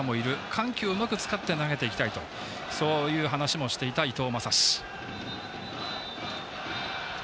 緩急をうまく使って投げていきたいとそういう話をしていた伊藤将司。